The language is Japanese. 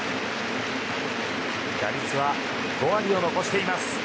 打率は５割を残しています。